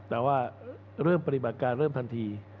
แต่ว่าเริ่มปฏิบัติการเริ่มทันที